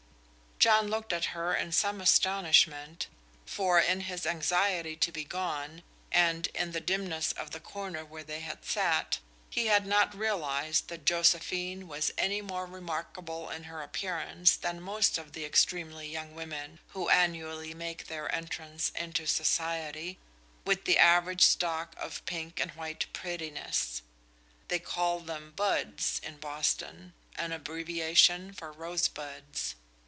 John looked at her in some astonishment, for in his anxiety to be gone and in the dimness of the corner where they had sat, he had not realized that Josephine was any more remarkable in her appearance than most of the extremely young women who annually make their entrance into society, with the average stock of pink and white prettiness. They call them "buds" in Boston an abbreviation for rosebuds.